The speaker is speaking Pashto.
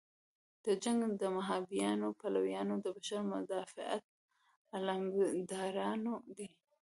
د جنګ د مهابیانیو پلویان د بشر مدافعت علمبرداران دي.